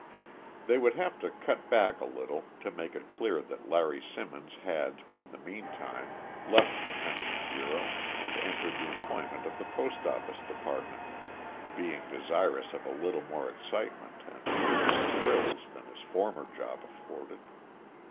They would have to cut back a little to make it clear that Larry Simmons had, in the meantime, left the Pension Bureau and entered the employment of the Post office Department, being desirous of a little more excitement and a few more thrills than his former job afforded.